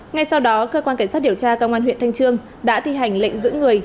ngay sau đó cơ quan cảnh sát điều tra công an huyện thanh trương đã thi hành lệnh giữ người